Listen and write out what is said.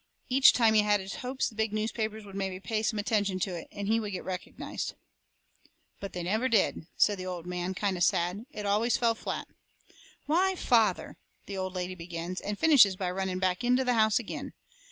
Each time he had his hopes the big newspapers would mebby pay some attention to it, and he would get recognized. "But they never did," said the old man, kind of sad, "it always fell flat." "Why, FATHER!" the old lady begins, and finishes by running back into the house agin.